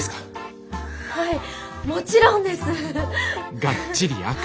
はいもちろんです！